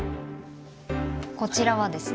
こちらはですね